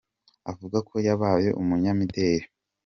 avuga ko yabaye umunyamideli.